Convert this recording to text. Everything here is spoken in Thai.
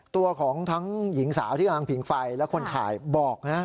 ตัวของทั้งหญิงสาวที่กำลังผิงไฟและคนถ่ายบอกนะ